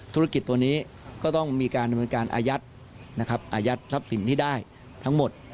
ธุรกิจตัวนี้ก็ต้องมีการดำเนินการอายัดนะครับอายัดทรัพย์สินที่ได้ทั้งหมด